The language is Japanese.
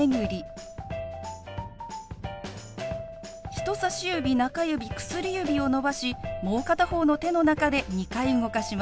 人さし指中指薬指を伸ばしもう片方の手の中で２回動かします。